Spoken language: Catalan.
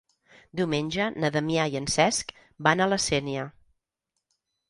Diumenge na Damià i en Cesc van a la Sénia.